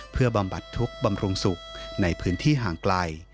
เพื่อบำบัดทุกข์บำรุงสุขในพื้นที่ห่างไกล